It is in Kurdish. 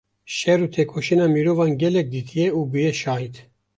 şer û tekoşîna mirovan gelek dîtiye û bûye şahid.